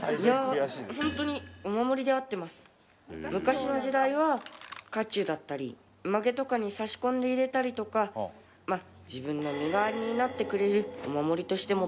昔の時代は甲冑だったりまげとかに差し込んで入れたりとか自分の身代わりになってくれるお守りとして持ってましたね。